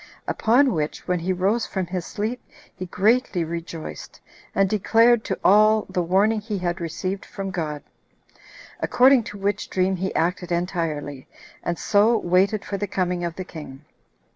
Upon which, when he rose from his sleep, he greatly rejoiced, and declared to all the warning he had received from God. According to which dream he acted entirely, and so waited for the coming of the king.